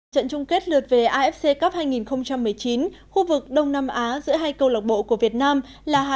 trận chung kết lượt về afc cup hai nghìn một mươi chín khu vực đông nam á giữa hai câu lạc bộ của việt nam là hà